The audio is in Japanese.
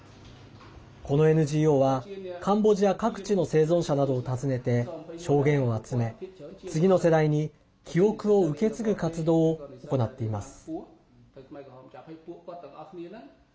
このＮＧＯは、カンボジア各地の生存者などを訪ねて、証言を集め次の世代に記憶を受け継ぐ活動を行っています。